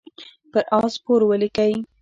پر آس سپور ولیکئ.